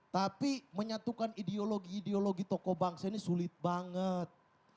tapi menyatukan ideologi ideologi tokoh bangsa ini sulit banget